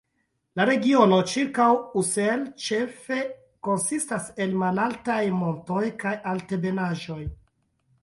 La regiono ĉirkaŭ Ussel ĉefe konsistas el malaltaj montoj kaj altebenaĵoj.